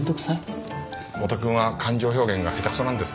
太田くんは感情表現が下手くそなんです。